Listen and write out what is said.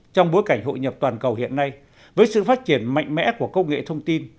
trong bối cảnh hội nhập toàn cầu hiện nay với sự phát triển mạnh mẽ của công nghệ thông tin